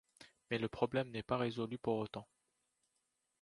Mais le problème n’est pas résolu pour autant.